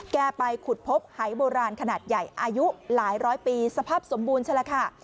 ไปขุดพบหายโบราณขนาดใหญ่อายุหลายร้อยปีสภาพสมบูรณ์ใช่แล้วค่ะ